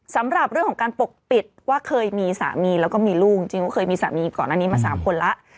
สำหรับเรื่องของการปกปิดว่าเคยมีสามีแล้วก็มีลูกจริงก็เคยมีสามีก่อนอันนี้มา๓คนแล้ว